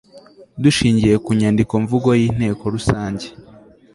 dushingiye ku nyandiko mvugo y inteko rusange